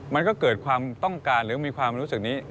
มันก็เกิดความต้องการหรือมีความรู้สึกนี้